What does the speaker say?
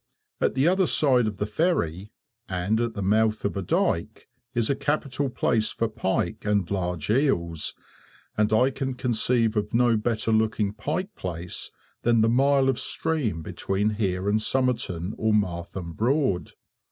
At the other side of the ferry, and at the mouth of a dyke, is a capital place for pike and large eels, and I can conceive of no better looking pike place than the mile of stream between here and Somerton or Martham Broad.